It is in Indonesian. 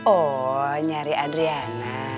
oh nyari adriana